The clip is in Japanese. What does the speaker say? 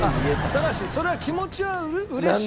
高橋それは気持ちはうれしい。